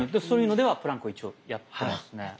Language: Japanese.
そういうのではプランクを一応やってますね。